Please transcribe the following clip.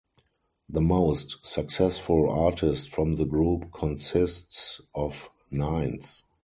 The most successful artist from the group consists of Nines.